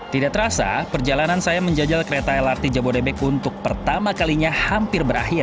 tidak terasa perjalanan saya menjajal kereta lrt jabodebek untuk pertama kalinya hampir berakhir